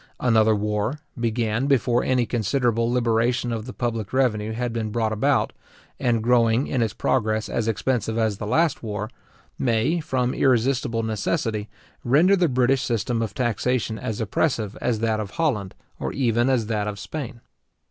Another war, begun before any considerable liberation of the public revenue had been brought about, and growing in its progress as expensive as the last war, may, from irresistible necessity, render the British system of taxation as oppressive as that of Holland, or even as that of Spain.